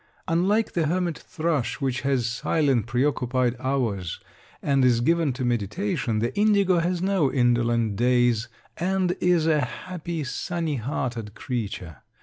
Unlike the hermit thrush, which has silent, preoccupied hours and is given to meditation, the indigo has no indolent days and is a happy, sunny hearted creature.